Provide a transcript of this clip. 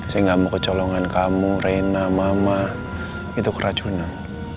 saya gak mau kecolongan kamu reina mama itu keracunan